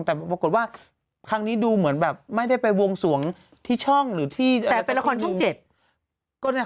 แต่ปรากฎว่าครั้งนี้ดูเหมือนแบบไม่ได้ไปบวงสวงที่ช่องหรือที่